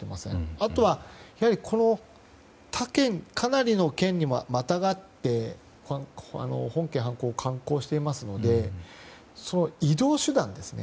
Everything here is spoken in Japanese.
あとは、かなりの県にまたがって本件、犯行を敢行していますので移動手段ですね。